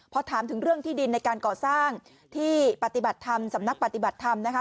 พอถามถึงเรื่องที่ดินในการก่อสร้างที่ปฏิบัติธรรมสำนักปฏิบัติธรรมนะคะ